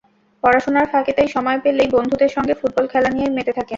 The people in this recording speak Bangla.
পড়াশোনার ফাঁকে তাই সময় পেলেই বন্ধুদের সঙ্গে ফুটবল খেলা নিয়েই মেতে থাকেন।